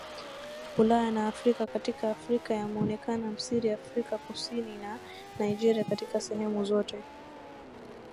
Ulaya na Afrika Katika Afrika yameonekana Misri Afrika Kusini na Nigeria katika sehemu zote